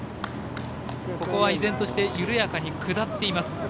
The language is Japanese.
ここは依然として緩やかに下っています。